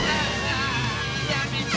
やめて！